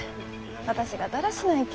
私がだらしないき。